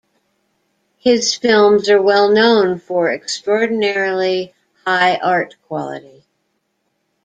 His films are well known for extraordinarily high art quality.